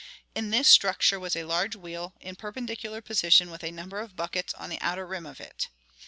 In this structure was a large wheel in perpendicular position with a number of buckets on the outer rim of it.